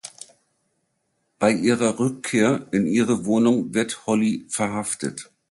Bei ihrer Rückkehr in ihre Wohnung wird Holly verhaftet.